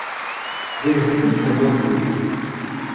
D Lhend i d tamurt-iw.